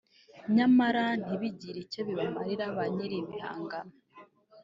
nyamara ntibigire icyo bimarira ba nyiri ibihangano